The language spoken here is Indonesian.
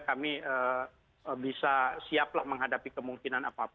kami bisa siap lah menghadapi kemungkinan apapun